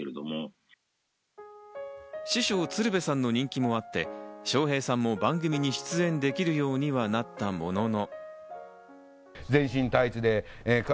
師匠・鶴瓶さんの人気もあって、笑瓶さんも番組に出演できるようにはなったものの。